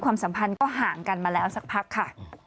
สัมพันธ์ก็ห่างกันมาแล้วสักพักค่ะ